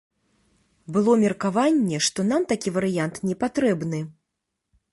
Было меркаванне, што нам такі варыянт не патрэбны.